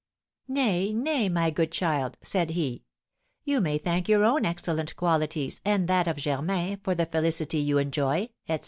"'Nay, nay, my good child,' said he, 'you may thank your own excellent qualities and that of Germain for the felicity you enjoy,' etc.